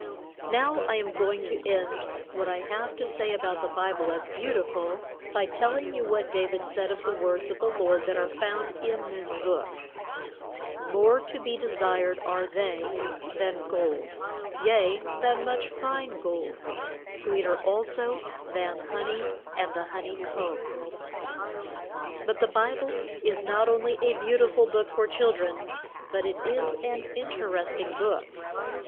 Now I am going to end what I have to say about the Bible as beautiful, by telling you what David said of the words of the Lord that are found in this book: "More to be desired are they than gold, yea, than much fine gold; sweeter also than honey and the honey comb." But the Bible is not only a beautiful book for children, but it is an interesting book.